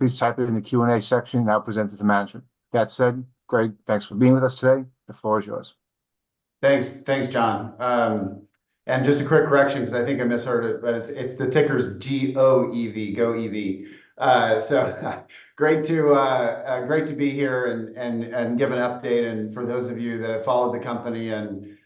Please type it in the Q&A section, and I'll present it to management. That said, Greg, thanks for being with us today. The floor is yours. Thanks. Thanks, John. And just a quick correction, 'cause I think I misheard it, but it's the ticker's G-O-E-V, GOEV. So great to be here and give an update. And for those of you that have followed the company and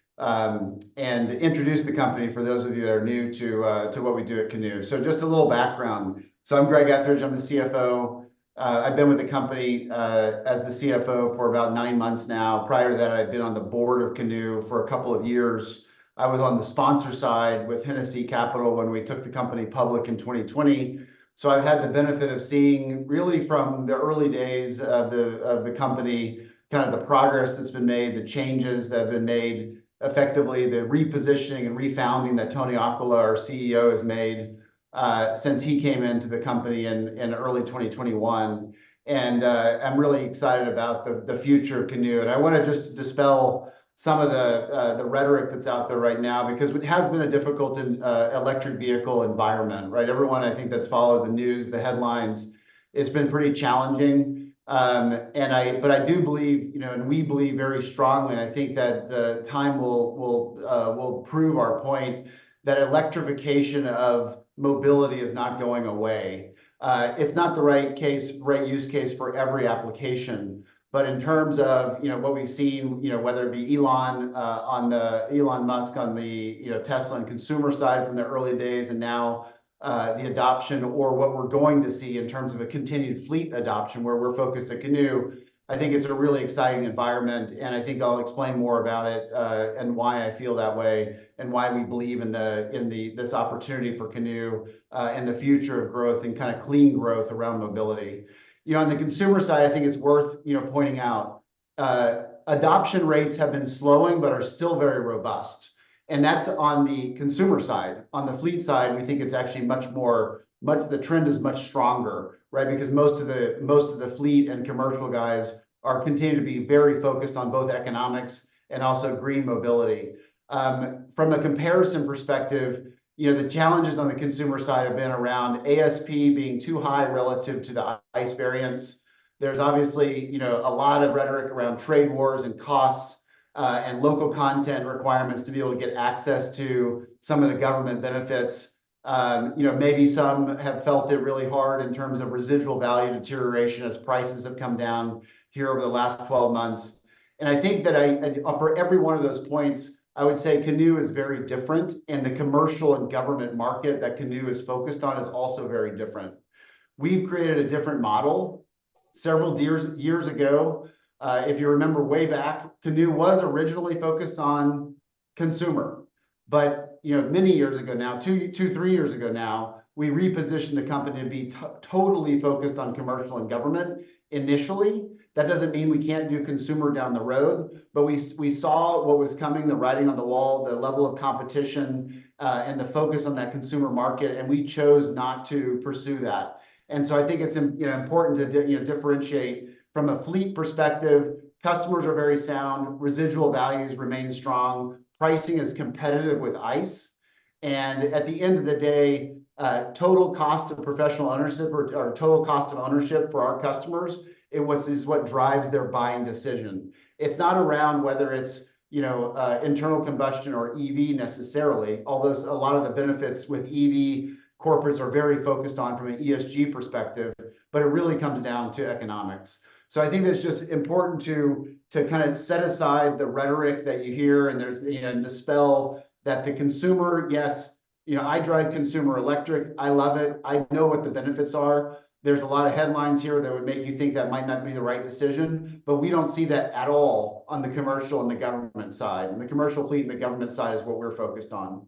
introduce the company, for those of you that are new to what we do at Canoo. So just a little background. So I'm Greg Ethridge, I'm the CFO. I've been with the company as the CFO for about nine months now. Prior to that, I'd been on the board of Canoo for a couple of years. I was on the sponsor side with Hennessy Capital when we took the company public in 2020. So I've had the benefit of seeing, really from the early days of the company, kind of the progress that's been made, the changes that have been made, effectively, the repositioning and refounding that Tony Aquila, our CEO, has made since he came into the company in early 2021. And I'm really excited about the future of Canoo. And I wanna just dispel some of the rhetoric that's out there right now, because it has been a difficult electric vehicle environment, right? Everyone, I think that's followed the news, the headlines, it's been pretty challenging. But I do believe, you know, and we believe very strongly, and I think that the time will prove our point, that electrification of mobility is not going away. It's not the right use case for every application. But in terms of, you know, what we've seen, you know, whether it be Elon Musk on the, you know, Tesla and consumer side from the early days and now, the adoption, or what we're going to see in terms of a continued fleet adoption, where we're focused at Canoo, I think it's a really exciting environment, and I think I'll explain more about it, and why I feel that way, and why we believe in the, in the- this opportunity for Canoo, and the future of growth and kind of clean growth around mobility. You know, on the consumer side, I think it's worth, you know, pointing out, adoption rates have been slowing but are still very robust, and that's on the consumer side. On the fleet side, we think it's actually much more the trend is much stronger, right? Because most of the, most of the fleet and commercial guys are continuing to be very focused on both economics and also green mobility. From a comparison perspective, you know, the challenges on the consumer side have been around ASP being too high relative to the ICE variants. There's obviously, you know, a lot of rhetoric around trade wars, and costs, and local content requirements to be able to get access to some of the government benefits. You know, maybe some have felt it really hard in terms of residual value deterioration as prices have come down here over the last 12 months. And I think that I... For every one of those points, I would say Canoo is very different, and the commercial and government market that Canoo is focused on is also very different. We've created a different model several years ago. If you remember way back, Canoo was originally focused on consumer. But, you know, many years ago now, two, three years ago now, we repositioned the company to be totally focused on commercial and government initially. That doesn't mean we can't do consumer down the road, but we saw what was coming, the writing on the wall, the level of competition, and the focus on that consumer market, and we chose not to pursue that. And so I think it's, you know, important to, you know, differentiate from a fleet perspective, customers are very sound, residual values remain strong, pricing is competitive with ICE. And at the end of the day, total cost of professional ownership or, or total cost of ownership for our customers, it was, is what drives their buying decision. It's not around whether it's, you know, internal combustion or EV necessarily, although a lot of the benefits with EV corporates are very focused on from an ESG perspective, but it really comes down to economics. So I think it's just important to, to kind of set aside the rhetoric that you hear, and there's... you know, dispel that the consumer, yes, you know, I drive consumer electric, I love it. I know what the benefits are. There's a lot of headlines here that would make you think that might not be the right decision, but we don't see that at all on the commercial and the government side. The commercial fleet and the government side is what we're focused on.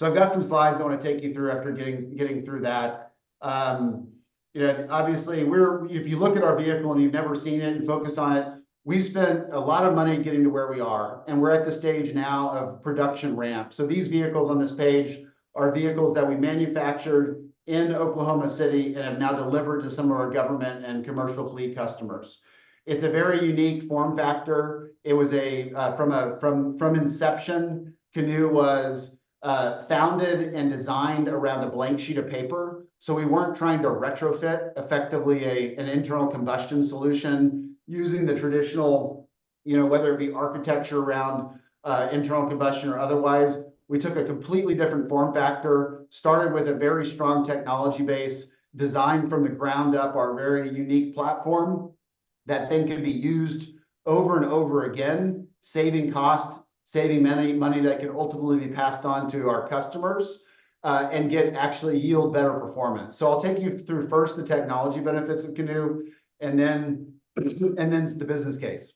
I've got some slides I wanna take you through after getting through that. You know, obviously, if you look at our vehicle and you've never seen it and focused on it, we've spent a lot of money getting to where we are, and we're at the stage now of production ramp. These vehicles on this page are vehicles that we manufactured in Oklahoma City and have now delivered to some of our government and commercial fleet customers. It's a very unique form factor. It was from inception. Canoo was founded and designed around a blank sheet of paper. We weren't trying to retrofit effectively an internal combustion solution using the traditional, you know, whether it be architecture around internal combustion or otherwise. We took a completely different form factor, started with a very strong technology base, designed from the ground up, our very unique platform, that then can be used over and over again, saving cost, saving money, money that can ultimately be passed on to our customers, and actually yield better performance. So I'll take you through first the technology benefits of Canoo, and then the business case.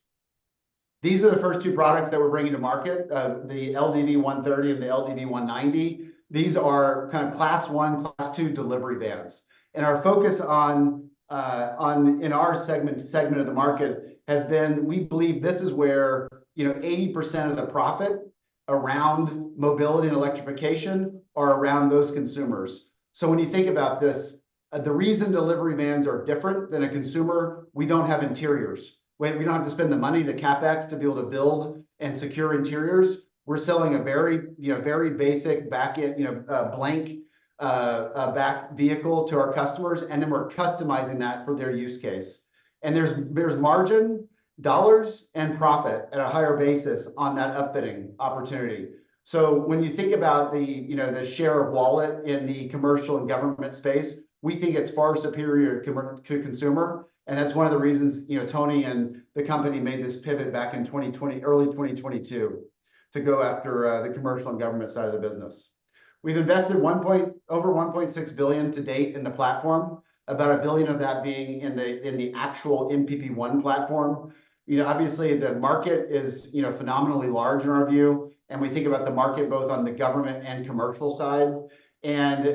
These are the first two products that we're bringing to market, the LDV 130 and the LDV 190. These are kind of class one, class two delivery vans. Our focus on, in our segment of the market, has been, we believe this is where, you know, 80% of the profit around mobility and electrification are around those consumers. So when you think about this, the reason delivery vans are different than a consumer, we don't have interiors. We, we don't have to spend the money, the CapEx, to be able to build and secure interiors. We're selling a very, you know, very basic back end, you know, blank, back vehicle to our customers, and then we're customizing that for their use case. And there's margin dollars and profit at a higher basis on that upfitting opportunity. So when you think about the, you know, the share of wallet in the commercial and government space, we think it's far superior to consumer, and that's one of the reasons, you know, Tony and the company made this pivot back in 2020, early 2022 to go after the commercial and government side of the business. We've invested over $1.6 billion to date in the platform, about $1 billion of that being in the actual MPP1 platform. You know, obviously, the market is, you know, phenomenally large in our view, and we think about the market both on the government and commercial side.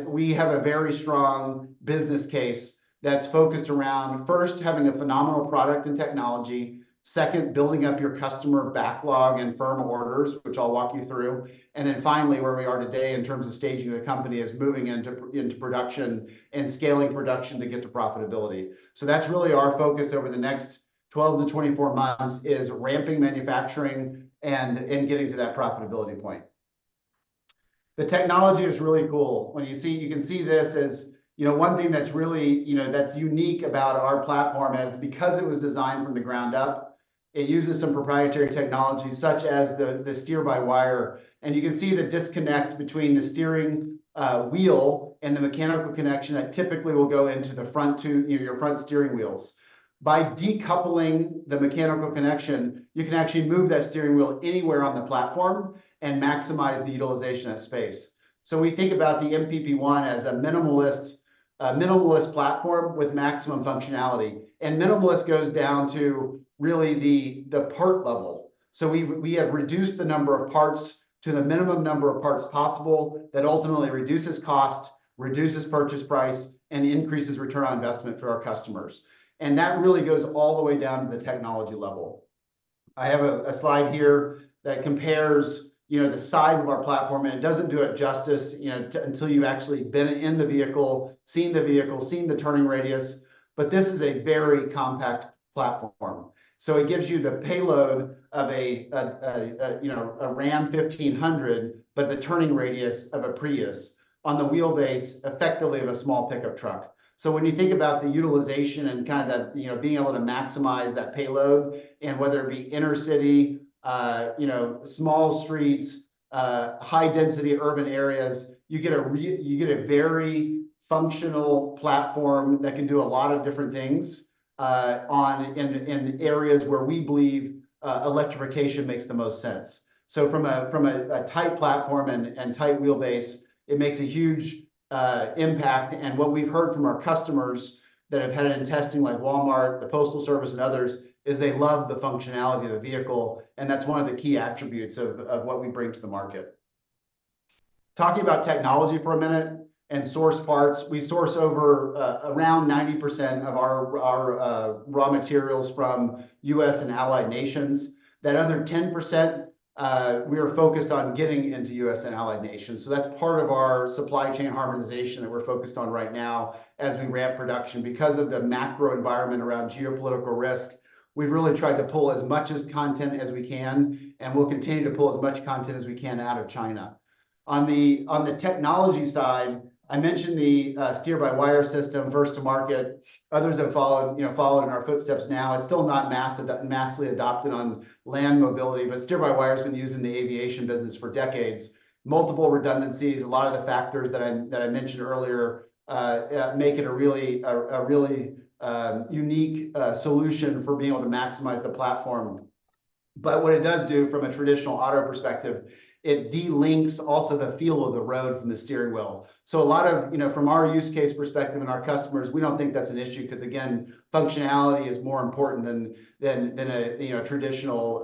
We have a very strong business case that's focused around, first, having a phenomenal product and technology; second, building up your customer backlog and firm orders, which I'll walk you through; and then finally, where we are today in terms of staging the company is moving into production and scaling production to get to profitability. So that's really our focus over the next 12 to 24 months, is ramping manufacturing and getting to that profitability point. The technology is really cool. When you see you can see this as... You know, one thing that's really, you know, that's unique about our platform is because it was designed from the ground up, it uses some proprietary technology, such as the Steer-by-wire. And you can see the disconnect between the steering wheel and the mechanical connection that typically will go into the front two, you know, your front steering wheels. By decoupling the mechanical connection, you can actually move that steering wheel anywhere on the platform and maximize the utilization of space. So we think about the MPP1 as a minimalist, a minimalist platform with maximum functionality. And minimalist goes down to really the part level. So we have reduced the number of parts to the minimum number of parts possible that ultimately reduces cost, reduces purchase price, and increases return on investment for our customers. That really goes all the way down to the technology level. I have a slide here that compares, you know, the size of our platform, and it doesn't do it justice, you know, until you've actually been in the vehicle, seen the vehicle, seen the turning radius, but this is a very compact platform. So it gives you the payload of a, you know, a Ram 1500, but the turning radius of a Prius on the wheelbase effectively of a small pickup truck. So when you think about the utilization and kind of that, you know, being able to maximize that payload, and whether it be inner city, you know, small streets, high-density urban areas, you get a very functional platform that can do a lot of different things, on... In areas where we believe electrification makes the most sense. So from a tight platform and tight wheelbase, it makes a huge impact. And what we've heard from our customers that have had it in testing, like Walmart, the Postal Service, and others, is they love the functionality of the vehicle, and that's one of the key attributes of what we bring to the market. Talking about technology for a minute and source parts, we source over around 90% of our raw materials from U.S. and allied nations. That other 10%, we are focused on getting into U.S. and allied nations. So that's part of our supply chain harmonization that we're focused on right now as we ramp production. Because of the macro environment around geopolitical risk, we've really tried to pull as much content as we can, and we'll continue to pull as much content as we can out of China. On the technology side, I mentioned the steer-by-wire system, first to market. Others have followed, you know, followed in our footsteps now. It's still not massively adopted on land mobility, but steer-by-wire has been used in the aviation business for decades. Multiple redundancies, a lot of the factors that I mentioned earlier make it a really unique solution for being able to maximize the platform. But what it does do from a traditional auto perspective, it delinks also the feel of the road from the steering wheel. So a lot of... You know, from our use case perspective and our customers, we don't think that's an issue, 'cause again, functionality is more important than a, you know, traditional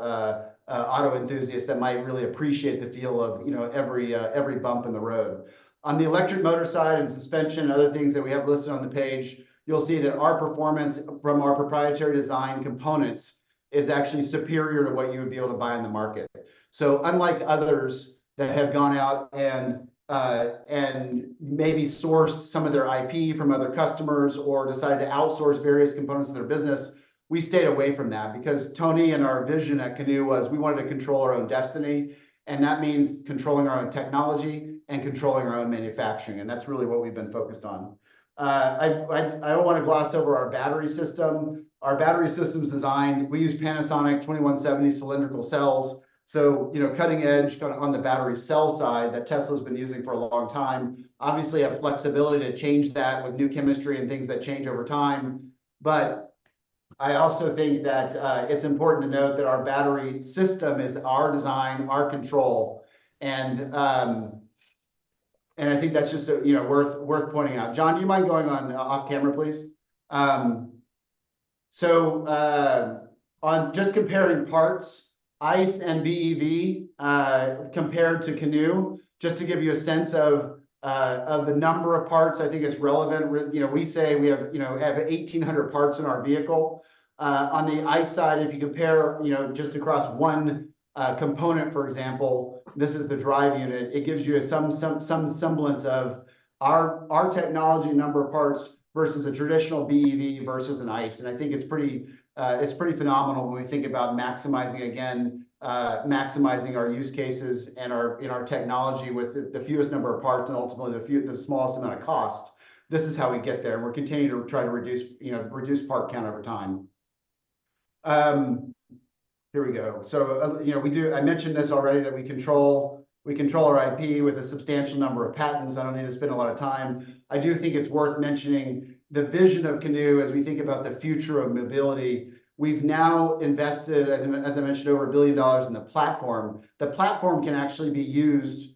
auto enthusiast that might really appreciate the feel of, you know, every bump in the road. On the electric motor side and suspension and other things that we have listed on the page, you'll see that our performance from our proprietary design components is actually superior to what you would be able to buy on the market. So unlike others that have gone out and and maybe sourced some of their IP from other customers or decided to outsource various components of their business, we stayed away from that because Tony and our vision at Canoo was we wanted to control our own destiny, and that means controlling our own technology and controlling our own manufacturing, and that's really what we've been focused on. I don't wanna gloss over our battery system. Our battery system's designed. We use Panasonic 2170 cylindrical cells, so, you know, cutting-edge on the battery cell side that Tesla's been using for a long time. Obviously, have flexibility to change that with new chemistry and things that change over time. But I also think that it's important to note that our battery system is our design, our control, and I think that's just, you know, worth pointing out. John, do you mind going on off camera, please? So, on just comparing parts, ICE and BEV, compared to Canoo, just to give you a sense of the number of parts, I think it's relevant. You know, we say we have, you know, we have 1,800 parts in our vehicle. On the ICE side, if you compare, you know, just across one component, for example, this is the drive unit, it gives you some semblance of our technology number of parts versus a traditional BEV versus an ICE. I think it's pretty phenomenal when we think about maximizing our use cases and our technology with the fewest number of parts and ultimately the smallest amount of cost. This is how we get there, and we're continuing to try to reduce, you know, reduce part count over time. Here we go. So, you know, we do. I mentioned this already, that we control our IP with a substantial number of patents. I don't need to spend a lot of time. I do think it's worth mentioning the vision of Canoo as we think about the future of mobility. We've now invested, as I mentioned, over $1 billion in the platform. The platform can actually be used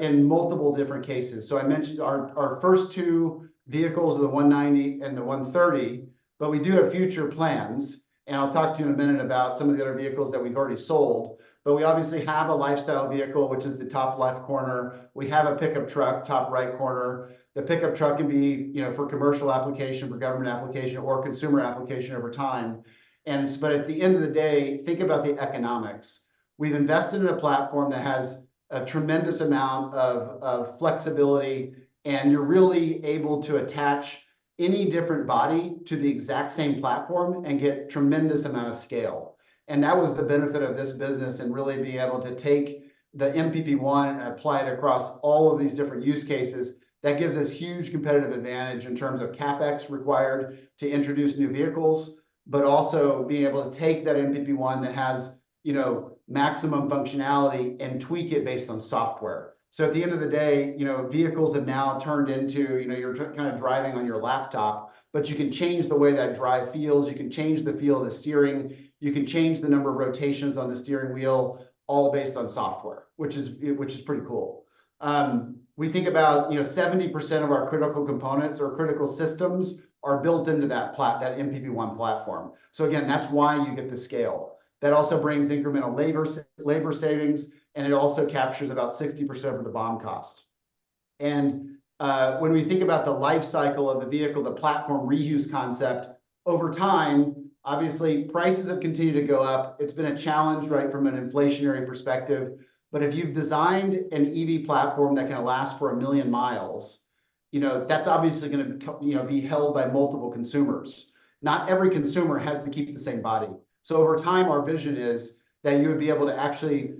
in multiple different cases. So I mentioned our first two vehicles are the 190 and the 130, but we do have future plans, and I'll talk to you in a minute about some of the other vehicles that we've already sold. But we obviously have a lifestyle vehicle, which is the top left corner. We have a pickup truck, top right corner. The pickup truck can be, you know, for commercial application, for government application, or consumer application over time. And but at the end of the day, think about the economics. We've invested in a platform that has a tremendous amount of flexibility, and you're really able to attach any different body to the exact same platform and get tremendous amount of scale. That was the benefit of this business, and really being able to take the MPP1 and apply it across all of these different use cases. That gives us huge competitive advantage in terms of CapEx required to introduce new vehicles, but also being able to take that MPP1 that has, you know, maximum functionality and tweak it based on software. So at the end of the day, you know, vehicles have now turned into, you know, you're kind of driving on your laptop, but you can change the way that drive feels, you can change the feel of the steering, you can change the number of rotations on the steering wheel, all based on software, which is pretty cool. We think about, you know, 70% of our critical components or critical systems are built into that MPP1 platform. So again, that's why you get the scale. That also brings incremental labor savings, and it also captures about 60% of the BOM cost. When we think about the life cycle of the vehicle, the platform reuse concept, over time, obviously, prices have continued to go up. It's been a challenge, right, from an inflationary perspective. But if you've designed an EV platform that can last for a million miles, you know, that's obviously gonna be, you know, be held by multiple consumers. Not every consumer has to keep it the same body. So over time, our vision is that you would be able to actually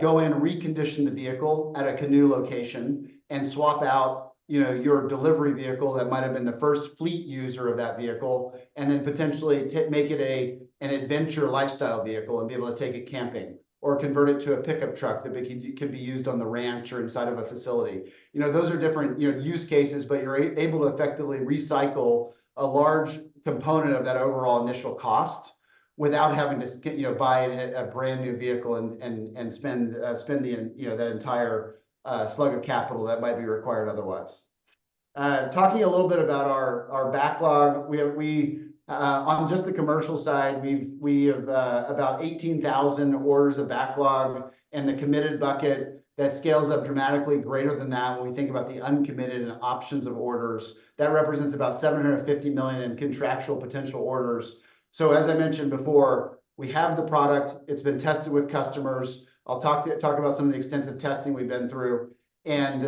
go in and recondition the vehicle at a Canoo location and swap out, you know, your delivery vehicle that might have been the first fleet user of that vehicle, and then potentially to make it an adventure lifestyle vehicle, and be able to take it camping, or convert it to a pickup truck that can be used on the ranch or inside of a facility. You know, those are different, you know, use cases, but you're able to effectively recycle a large component of that overall initial cost without having to you know, buy a brand-new vehicle and spend the, you know, that entire slug of capital that might be required otherwise. Talking a little bit about our backlog, we have, on just the commercial side, we have about 18,000 orders of backlog, and the committed bucket that scales up dramatically greater than that when we think about the uncommitted and options of orders. That represents about $750 million in contractual potential orders. So as I mentioned before, we have the product. It's been tested with customers. I'll talk to you about some of the extensive testing we've been through, and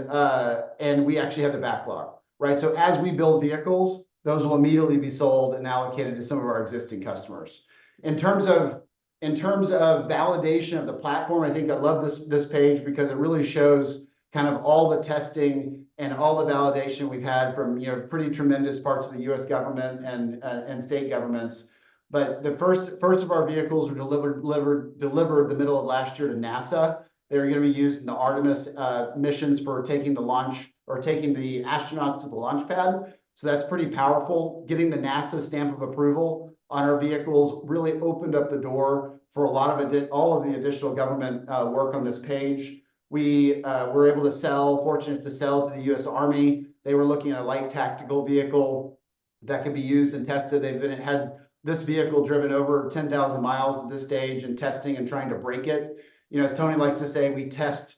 we actually have the backlog, right? So as we build vehicles, those will immediately be sold and allocated to some of our existing customers. In terms of validation of the platform, I think I love this page because it really shows kind of all the testing and all the validation we've had from, you know, pretty tremendous parts of the U.S. government and and state governments. But the first of our vehicles were delivered the middle of last year to NASA. They're gonna be used in the Artemis missions for taking the launch or taking the astronauts to the launch pad. So that's pretty powerful. Getting the NASA stamp of approval on our vehicles really opened up the door for a lot of all of the additional government work on this page. We were able to sell, fortunate to sell to the U.S. Army. They were looking at a light tactical vehicle that could be used and tested. They've been... Had this vehicle driven over 10,000 miles at this stage in testing and trying to break it. You know, as Tony likes to say, "We test,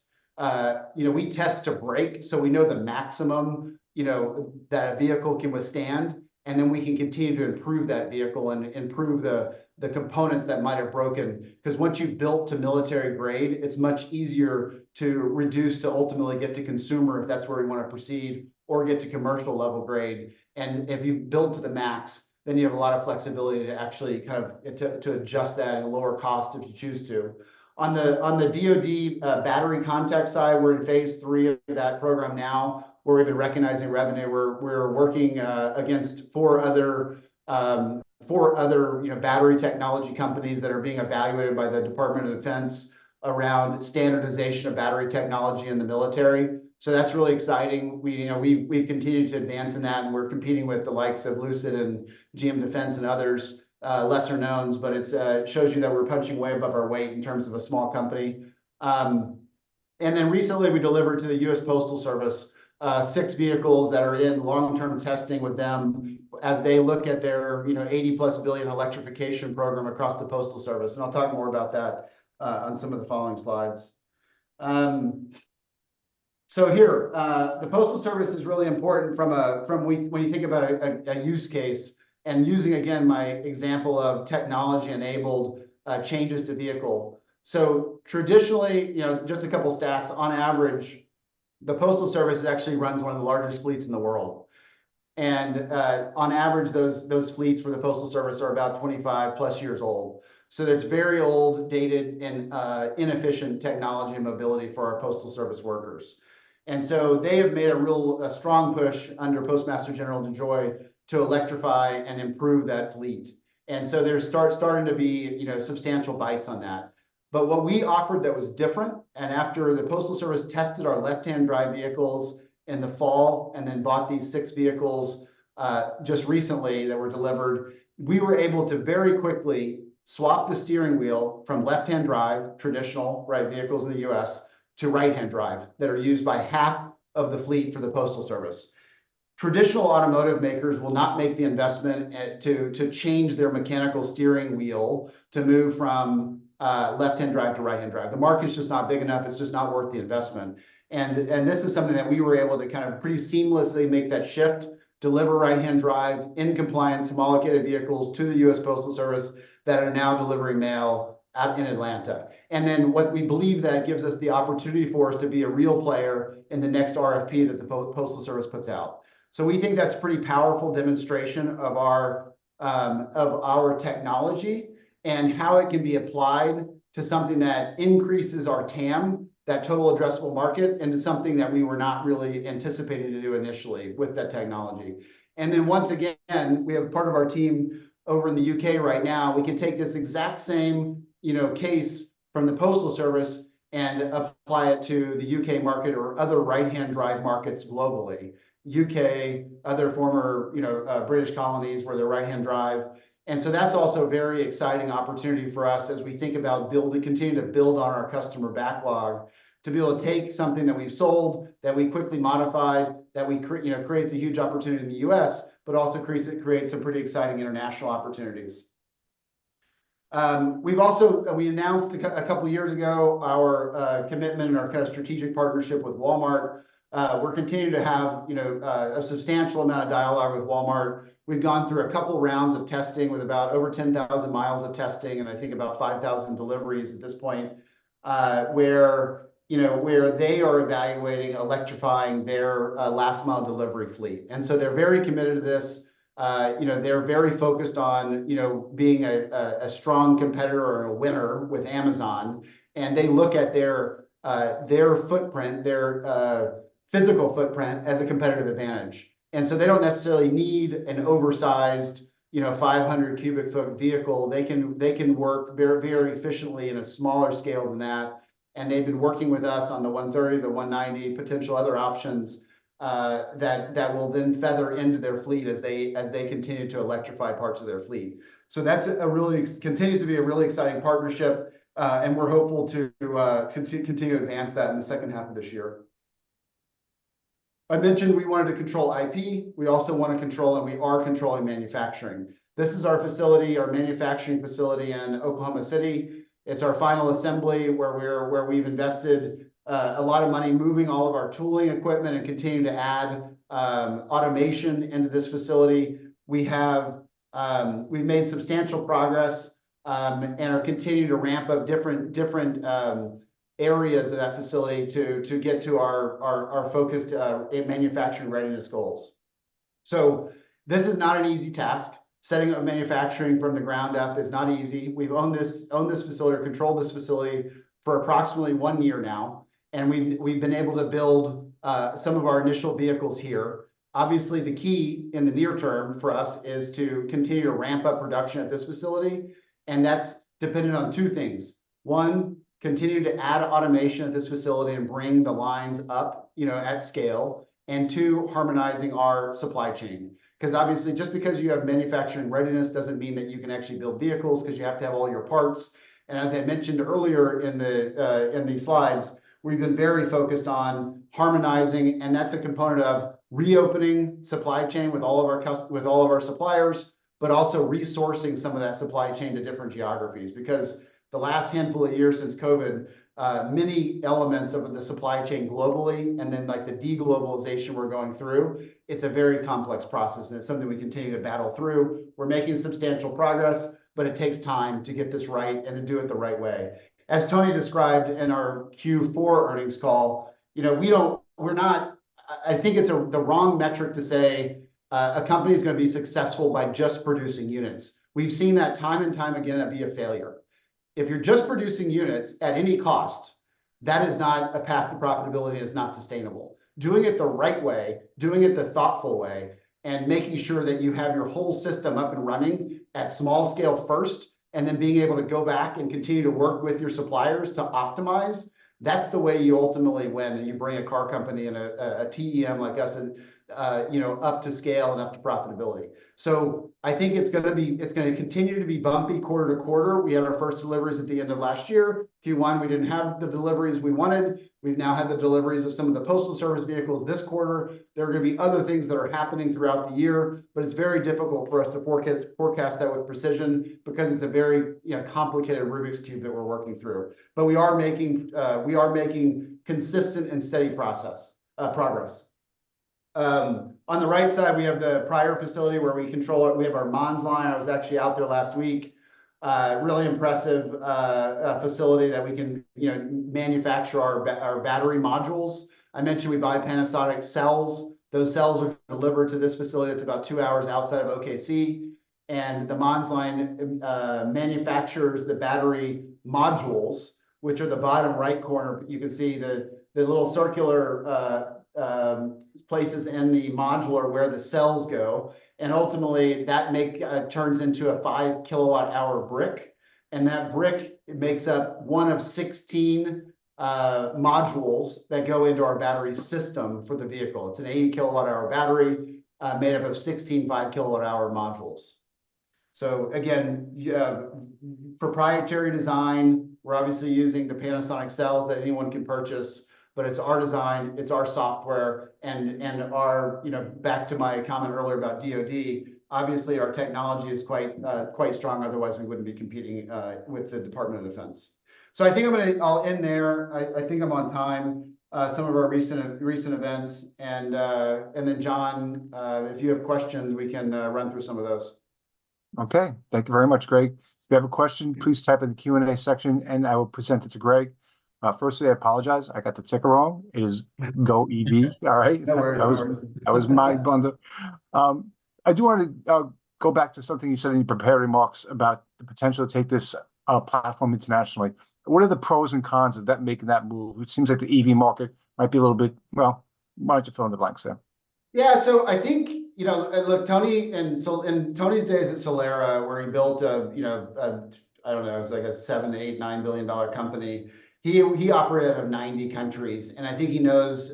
you know, we test to break, so we know the maximum, you know, that a vehicle can withstand, and then we can continue to improve that vehicle and improve the components that might have broken." 'Cause once you've built to military grade, it's much easier to reduce, to ultimately get to consumer, if that's where we want to proceed, or get to commercial level grade. And if you build to the max, then you have a lot of flexibility to actually kind of to adjust that at a lower cost if you choose to. On the DoD battery contract side, we're in phase three of that program now. We're even recognizing revenue. We're working against four other, you know, battery technology companies that are being evaluated by the U.S. Department of Defense around standardization of battery technology in the military. So that's really exciting. We, you know, we've continued to advance in that, and we're competing with the likes of Lucid and GM Defense and others, lesser knowns, but it shows you that we're punching way above our weight in terms of a small company. And then recently, we delivered to the United States Postal Service, six vehicles that are in long-term testing with them as they look at their, you know, $80+ billion electrification program across the Postal Service, and I'll talk more about that, on some of the following slides. So here, the Postal Service is really important from a... When you think about a use case and using, again, my example of technology-enabled changes to vehicle. So traditionally, you know, just a couple of stats, on average, the Postal Service actually runs one of the largest fleets in the world, and on average, those fleets for the Postal Service are about 25+ years old. So there's very old, dated, and inefficient technology and mobility for our Postal Service workers. And so they have made a real strong push under Postmaster General DeJoy to electrify and improve that fleet. And so there's starting to be, you know, substantial bites on that.... But what we offered that was different, and after the Postal Service tested our left-hand drive vehicles in the fall, and then bought these six vehicles just recently that were delivered, we were able to very quickly swap the steering wheel from left-hand drive, traditional, right, vehicles in the U.S., to right-hand drive, that are used by half of the fleet for the Postal Service. Traditional automotive makers will not make the investment to change their mechanical steering wheel to move from left-hand drive to right-hand drive. The market's just not big enough. It's just not worth the investment. And this is something that we were able to kind of pretty seamlessly make that shift, deliver right-hand drive in compliance homologated vehicles to the U.S. Postal Service, that are now delivering mail out in Atlanta. And then what we believe that gives us the opportunity for us to be a real player in the next RFP that the Postal Service puts out. So we think that's pretty powerful demonstration of our, of our technology, and how it can be applied to something that increases our TAM, that total addressable market, into something that we were not really anticipating to do initially with that technology. And then once again, we have part of our team over in the U.K. right now. We can take this exact same, you know, case from the Postal Service and apply it to the U.K. market or other right-hand drive markets globally. U.K., other former, you know, British colonies where they're right-hand drive, and so that's also a very exciting opportunity for us as we think about building, continuing to build on our customer backlog, to be able to take something that we've sold, that we quickly modified, you know, creates a huge opportunity in the U.S., but also creates some pretty exciting international opportunities. We've also. We announced a couple of years ago, our commitment and our kind of strategic partnership with Walmart. We're continuing to have, you know, a substantial amount of dialogue with Walmart. We've gone through a couple of rounds of testing with about over 10,000 miles of testing, and I think about 5,000 deliveries at this point, where, you know, where they are evaluating electrifying their last mile delivery fleet. And so they're very committed to this. You know, they're very focused on, you know, being a strong competitor and a winner with Amazon, and they look at their footprint, their physical footprint as a competitive advantage. And so they don't necessarily need an oversized, you know, 500 cubic foot vehicle. They can work very, very efficiently in a smaller scale than that, and they've been working with us on the 130, the 190, potential other options, that will then feather into their fleet as they continue to electrify parts of their fleet. So that's a really—continues to be a really exciting partnership, and we're hopeful to continue to advance that in the second half of this year. I mentioned we wanted to control IP. We also want to control, and we are controlling manufacturing. This is our facility, our manufacturing facility in Oklahoma City. It's our final assembly, where we've invested a lot of money moving all of our tooling equipment and continue to add automation into this facility. We've made substantial progress, and are continuing to ramp up different areas of that facility to get to our focus in manufacturing readiness goals. So this is not an easy task. Setting up manufacturing from the ground up is not easy. We've owned this facility or controlled this facility for approximately one year now, and we've been able to build some of our initial vehicles here. Obviously, the key in the near term for us is to continue to ramp up production at this facility, and that's dependent on two things. One, continue to add automation at this facility and bring the lines up, you know, at scale. And two, harmonizing our supply chain. 'Cause obviously, just because you have manufacturing readiness doesn't mean that you can actually build vehicles, 'cause you have to have all your parts. And as I mentioned earlier in these slides, we've been very focused on harmonizing, and that's a component of reopening supply chain with all of our suppliers, but also resourcing some of that supply chain to different geographies. Because the last handful of years since COVID, many elements of the supply chain globally, and then, like, the de-globalization we're going through, it's a very complex process, and it's something we continue to battle through. We're making substantial progress, but it takes time to get this right and to do it the right way. As Tony described in our Q4 earnings call, you know, we're not. I think it's a, the wrong metric to say a company is gonna be successful by just producing units. We've seen that time and time again, that'd be a failure. If you're just producing units at any cost, that is not a path to profitability, and it's not sustainable. Doing it the right way, doing it the thoughtful way, and making sure that you have your whole system up and running at small scale first, and then being able to go back and continue to work with your suppliers to optimize, that's the way you ultimately win, and you bring a car company and a OEM like us, you know, up to scale and up to profitability. So I think it's gonna continue to be bumpy quarter to quarter. We had our first deliveries at the end of last year. Q1, we didn't have the deliveries we wanted. We've now had the deliveries of some of the Postal Service vehicles this quarter. There are gonna be other things that are happening throughout the year, but it's very difficult for us to forecast that with precision because it's a very, you know, complicated Rubik's cube that we're working through. But we are making consistent and steady progress. On the right side, we have the Pryor facility where we control our—we have our Manz line. I was actually out there last week. Really impressive facility that we can, you know, manufacture our battery modules. I mentioned we buy Panasonic cells. Those cells are delivered to this facility. It's about two hours outside of OKC, and the Manz line manufactures the battery modules which are the bottom right corner. You can see the little circular places in the module are where the cells go, and ultimately, that make turns into a 5 kWh brick. And that brick makes up one of 16 modules that go into our battery system for the vehicle. It's an 80 kWh battery made up of 16 5 kWh modules. So again, yeah, proprietary design, we're obviously using the Panasonic cells that anyone can purchase, but it's our design, it's our software, and our, you know, back to my comment earlier about DoD, obviously, our technology is quite quite strong, otherwise we wouldn't be competing with the Department of Defense. So I think I'm gonna- I'll end there. I think I'm on time. Some of our recent events and then, John, if you have questions, we can run through some of those. Okay. Thank you very much, Greg. If you have a question, please type in the Q&A section, and I will present it to Greg. Firstly, I apologize, I got the ticker wrong. It is GOEV, all right? No worries. That was my blunder. I do want to go back to something you said in your prepared remarks about the potential to take this platform internationally. What are the pros and cons of that, making that move? It seems like the EV market might be a little bit, well, why don't you fill in the blanks there? Yeah, so I think, you know... Look, Tony, and so in Tony's days at Solera, where he built a, you know, a, I don't know, it was like a $7- to 8- or 9 billion company, he, he operated out of 90 countries. And I think he knows,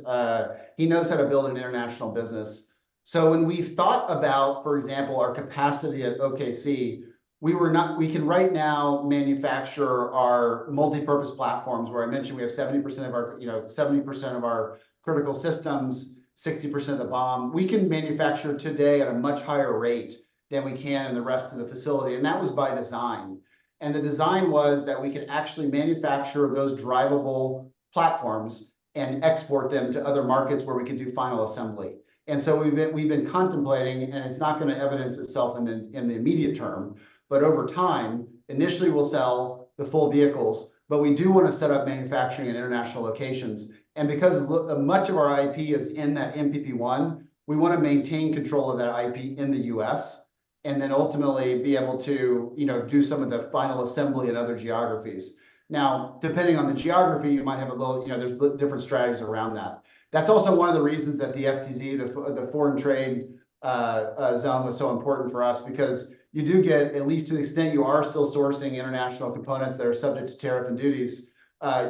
he knows how to build an international business. So when we thought about, for example, our capacity at OKC, we were not-- we can right now manufacture our multipurpose platforms, where I mentioned we have 70% of our, you know, 70% of our critical systems, 60% of the BOM. We can manufacture today at a much higher rate than we can in the rest of the facility, and that was by design. And the design was that we could actually manufacture those drivable platforms and export them to other markets where we could do final assembly. And so we've been contemplating, and it's not gonna evidence itself in the immediate term, but over time, initially we'll sell the full vehicles, but we do want to set up manufacturing in international locations. And because much of our IP is in that MPP1, we wanna maintain control of that IP in the U.S., and then ultimately be able to, you know, do some of the final assembly in other geographies. Now, depending on the geography, you might have a little, you know, there's different strategies around that. That's also one of the reasons that the FTZ, the Foreign Trade Zone, was so important for us, because you do get, at least to the extent you are still sourcing international components that are subject to tariff and duties,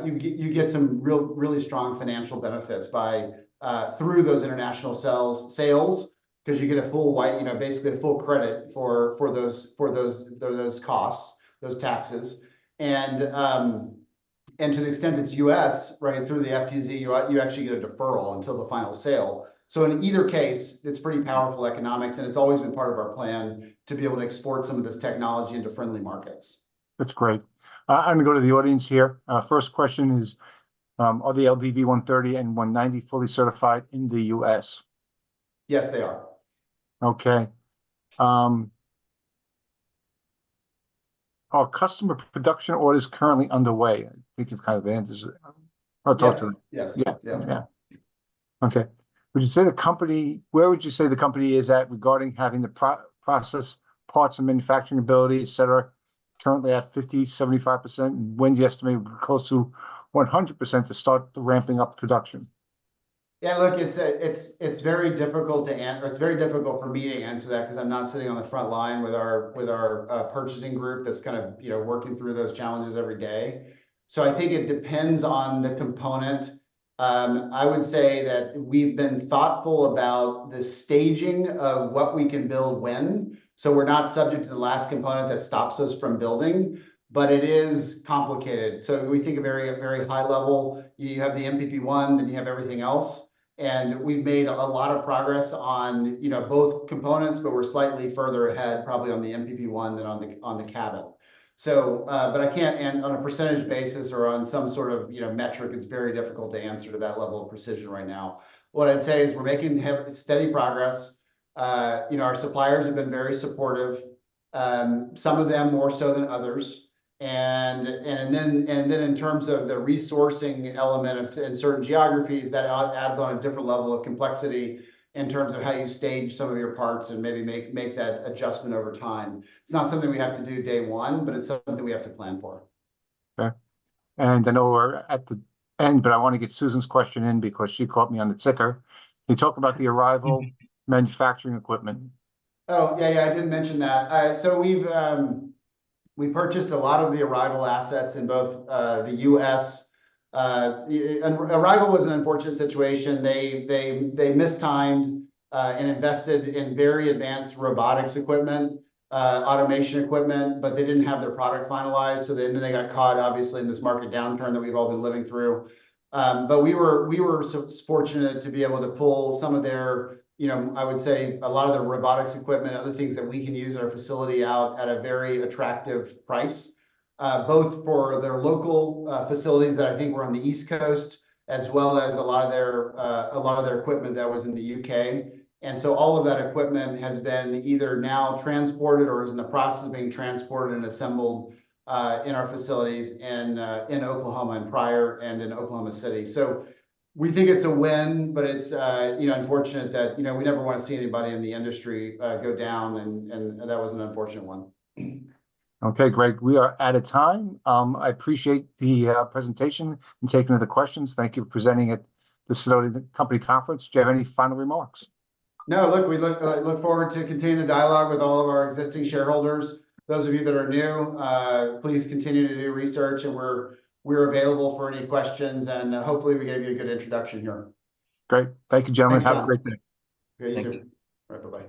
you get some really strong financial benefits by, through those international sales. 'Cause you get a full write, you know, basically a full credit for those costs, those taxes. And, to the extent it's U.S., right, through the FTZ, you actually get a deferral until the final sale. So in either case, it's pretty powerful economics, and it's always been part of our plan to be able to export some of this technology into friendly markets. That's great. I'm gonna go to the audience here. First question is: "Are the LDV 130 and 190 fully certified in the U.S.? Yes, they are. Okay. "Are customer production orders currently underway?" I think you've kind of answered... Or talked to them. Yes. Yeah. Yeah, yeah. Okay. "Would you say the company—Where would you say the company is at regarding having the process, parts, and manufacturing ability, et cetera, currently at 50%-75%? When do you estimate close to 100% to start ramping up production? Yeah, look, it's very difficult to answer. It's very difficult for me to answer that, 'cause I'm not sitting on the front line with our purchasing group that's kind of, you know, working through those challenges every day. So I think it depends on the component. I would say that we've been thoughtful about the staging of what we can build when, so we're not subject to the last component that stops us from building, but it is complicated. So we think a very high level. You have the MPP1, then you have everything else, and we've made a lot of progress on, you know, both components, but we're slightly further ahead, probably on the MPP1 than on the cabin. So, but I can't... On a percentage basis or on some sort of, you know, metric, it's very difficult to answer to that level of precision right now. What I'd say is we're making steady progress. You know, our suppliers have been very supportive, some of them more so than others. And then in terms of the resourcing element in certain geographies, that adds on a different level of complexity in terms of how you stage some of your parts and maybe make that adjustment over time. It's not something we have to do day one, but it's something we have to plan for. Okay. I know we're at the end, but I wanna get Susan's question in, because she caught me on the ticker. "Can you talk about the Arrival manufacturing equipment? Oh, yeah, yeah, I didn't mention that. So we've purchased a lot of the Arrival assets in both the U.S. And Arrival was an unfortunate situation. They mistimed and invested in very advanced robotics equipment, automation equipment, but they didn't have their product finalized. So then they got caught, obviously, in this market downturn that we've all been living through. But we were so fortunate to be able to pull some of their, you know, I would say a lot of the robotics equipment, other things that we can use in our facility out at a very attractive price, both for their local facilities that I think were on the East Coast, as well as a lot of their equipment that was in the U.K. All of that equipment has been either now transported or is in the process of being transported and assembled in our facilities in Oklahoma and Pryor and in Oklahoma City. We think it's a win, but it's you know, unfortunate that you know, we never wanna see anybody in the industry go down, and that was an unfortunate one. Okay, Greg, we are out of time. I appreciate the presentation and taking of the questions. Thank you for presenting at the Sidoti & Company Conference. Do you have any final remarks? No, look, we look forward to continuing the dialogue with all of our existing shareholders. Those of you that are new, please continue to do research, and we're available for any questions, and hopefully, we gave you a good introduction here. Great. Thank you, gentlemen. Thank you. Have a great day. Great. Thank you. Thank you. All right, bye-bye.